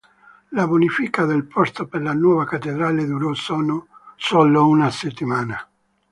La bonifica del posto per la nuova cattedrale durò solo una settimana.